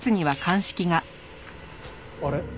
あれ？